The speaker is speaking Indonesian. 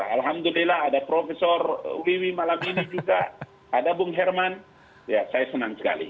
alhamdulillah ada profesor wiwi malam ini juga ada bung herman saya senang sekali